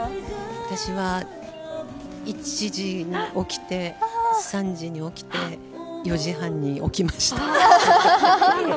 私は１時に起きて３時に起きて４時半に起きました。